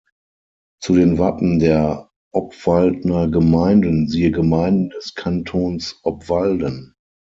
Zu den Wappen der Obwaldner Gemeinden siehe Gemeinden des Kantons Obwalden.